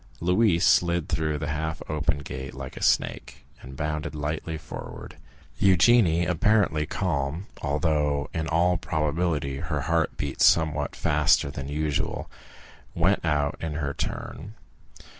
Louise slid through the half open gate like a snake, and bounded lightly forward. Eugénie, apparently calm, although in all probability her heart beat somewhat faster than usual, went out in her turn.